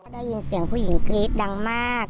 ได้ยินเสียงผู้หญิงกรี๊ดดังมาก